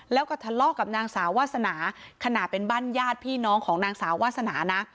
แล้วก็ทะเลาะกับนางสาววาสนาขณะเป็นบ้านญาติพี่น้องของนางสาววาสนานะ